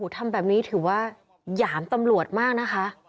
ทำแบบนี้ถือว่าหยามตำรวจมากนะคะ